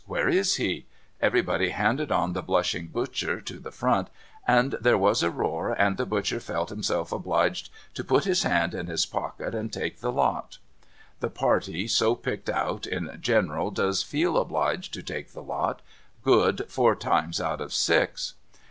Where is he ?' Everybody handed on the blushing butcher to the front, and there was a roar, and the butcher felt himself obliged to put his hand in his pocket, and take the lot. The party so picked out, in general, does feel obliged to take the lot — good four times out of six.